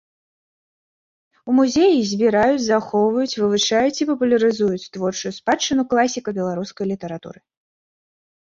У музеі збіраюць, захоўваюць, вывучаюць і папулярызуюць творчую спадчыну класіка беларускай літаратуры.